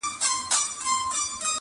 غوړه مال کړي ژوند تباه د انسانانو،